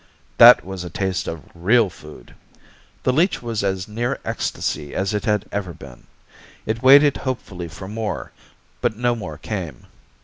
That was a taste of real food! The leech was as near ecstasy as it had ever been. It waited hopefully for more, but no more came.